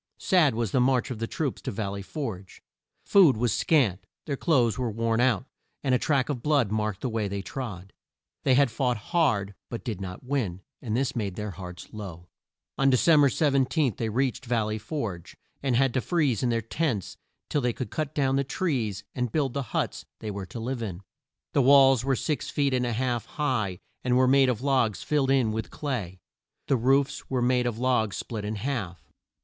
Sad was the march of the troops to Val ley Forge. Food was scant, their clothes were worn out, and a track of blood marked the way they trod. They had fought hard, but not to win, and this made their hearts low. On De cem ber 17, they reached Val ley Forge, and had to freeze in their tents till they could cut down the trees and build the huts they were to live in. The walls were six feet and a half high, and were made of logs filled in with clay. The roofs were made of logs split in half.